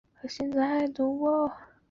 孵溪蟾只曾发现在未开发的雨林出现。